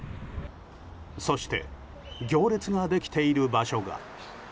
そして行列ができている場所が。